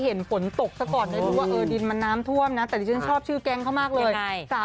จุดบอกเขาเตรียมที่ทำงานตรงนี้ให้แบบเป็นอาณาจักรไล่เขาอ่ะ